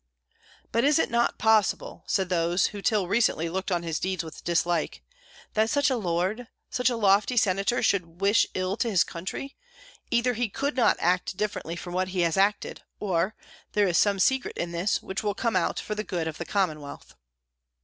"But it is not possible," said those who till recently looked on his deeds with dislike, "that such a lord, such a lofty senator should wish ill to his country; either he could not act differently from what he has acted, or there is some secret in this, which will come out for the good of the Commonwealth."